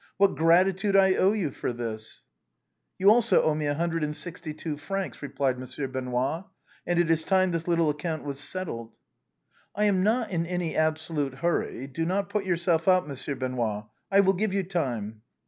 What gratitude I owe you for this !"" You also owe me a hundred and sixty two francs," re plied Monsieur Benoît, " and it is time this little account was settled." " I am not in any absolute hurry — do not put yourself out. Monsieur Benoît. I will give you time."